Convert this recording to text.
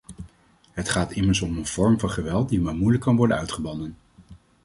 Het gaat immers om een vorm van geweld die maar moeilijk kan worden uitgebannen.